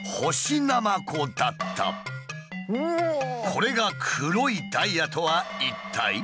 これが黒いダイヤとは一体？